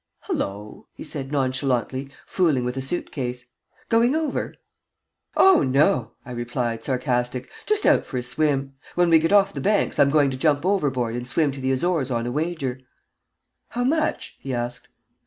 "Hullo!" he said, nonchalantly, fooling with a suit case. "Going over?" "Oh no!" I replied, sarcastic. "Just out for a swim. When we get off the Banks I'm going to jump overboard and swim to the Azores on a wager." "How much?" he asked.